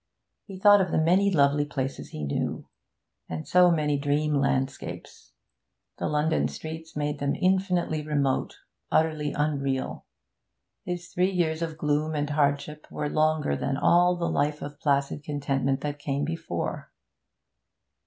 He thought of the many lovely places he knew, and so many dream landscapes; the London streets made them infinitely remote, utterly unreal. His three years of gloom and hardship were longer than all the life of placid contentment that came before.